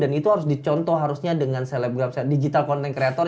dan itu harus dicontoh harusnya dengan digital content creator